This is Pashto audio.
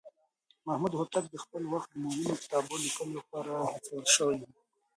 محمد هوتک د خپل وخت د مهمو کتابونو ليکلو لپاره هڅول شوی و.